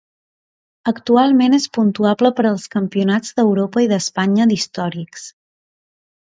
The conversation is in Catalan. Actualment és puntuable per als Campionats d'Europa i d'Espanya d'Històrics.